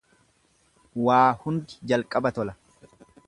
Waa hundi jalqaba tola.